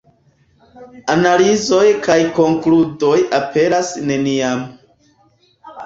Analizoj kaj konkludoj aperas neniam.